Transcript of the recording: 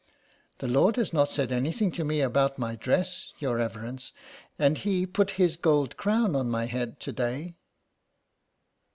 '' The Lord has not said anything to me about my dress, your reverence, and He put His gold crown on my head to day."